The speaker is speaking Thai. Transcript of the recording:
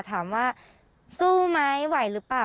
ถามว่าสู้ไหมไหวหรือเปล่า